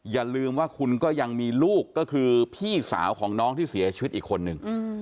อย่าลืมว่าคุณก็ยังมีลูกก็คือพี่สาวของน้องที่เสียชีวิตอีกคนนึง